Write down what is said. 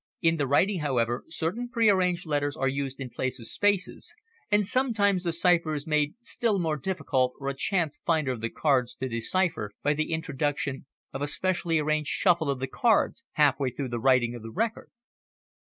In the writing, however, certain prearranged letters are used in place of spaces, and sometimes the cipher is made still more difficult for a chance finder of the cards to decipher by the introduction of a specially arranged shuffle of the cards half way through the writing of the record."